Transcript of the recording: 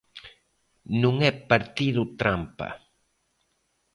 Non é partido trampa.